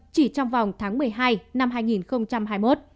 chỉ trong vòng tháng một mươi hai năm hai nghìn hai mươi một